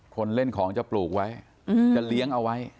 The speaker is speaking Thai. คนเล่นของจะปลูกไว้จะเลี้ยงเอาไว้